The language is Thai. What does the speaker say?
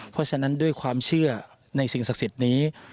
เพราะฉะนั้นด้วยความเชื่อในสิ่งศักดิ์สิทธิ์นี้